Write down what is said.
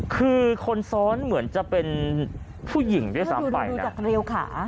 คือคนซ้อนเหมือนจะเป็นผู้หญิงด้วยซ้ำไปดูจากเรียวขา